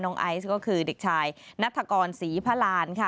น้องไอซ์ก็คือเด็กชายนัตกรศรีพลานค่ะ